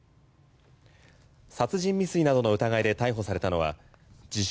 殺人未遂などの疑いで逮捕されたのは自称